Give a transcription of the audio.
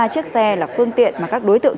ba chiếc xe là phương tiện mà các đối tượng